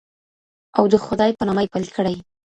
او د خدای په نامه یې پیل کړئ.